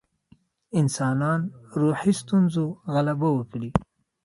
انسانان روحي ستونزو غلبه وکړي.